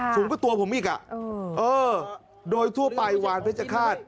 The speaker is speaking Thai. สูงกว่าตัวผมอีกอ่ะเออโดยทั่วไปวานเพชรฆาต